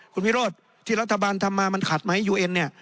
คุณวิโรธที่รัฐบาลทำมามันขัดไหมยูเอ็นเนี่ย